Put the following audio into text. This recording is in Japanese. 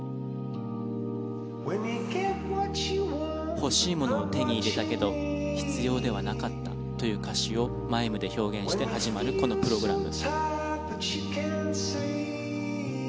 欲しいものを手に入れたけど必要ではなかったという歌詞をマイムで表現して始まるこのプログラム。